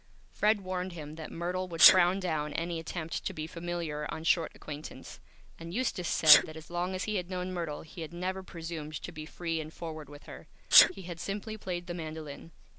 Fred warned him that Myrtle would frown down any Attempt to be Familiar on Short Acquaintance, and Eustace said that as long as he had known Myrtle he had never Presumed to be Free and Forward with her. He had simply played the Mandolin.